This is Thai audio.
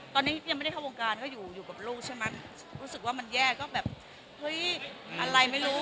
ตอนนี้ยังไม่ได้เข้าวงการก็อยู่อยู่กับลูกใช่ไหมรู้สึกว่ามันแย่ก็แบบเฮ้ยอะไรไม่รู้